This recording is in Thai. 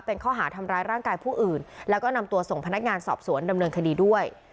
เป็นข้อหาทำร้ายร่างกายผู้อื่นแล้วก็นำตัวส่งพนักงานสอบสวนดำเนินคดีด้วย